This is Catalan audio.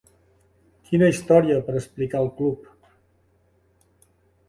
Quina història per explicar al club.